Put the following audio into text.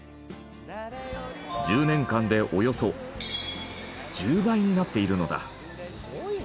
１０年間でおよそ１０倍になっているのだ。